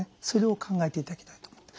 それを考えていただきたいと。